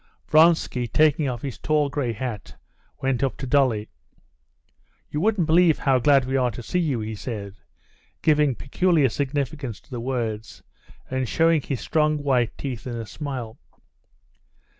Vronsky, taking off his tall gray hat, went up to Dolly. "You wouldn't believe how glad we are to see you," he said, giving peculiar significance to the words, and showing his strong white teeth in a smile.